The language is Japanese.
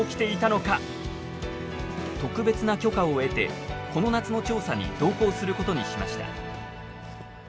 特別な許可を得てこの夏の調査に同行することにしました。